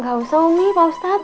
gak usah umi pak ustadz